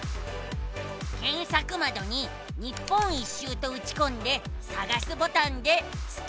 けんさくまどに日本一周とうちこんでさがすボタンでスクるのさ。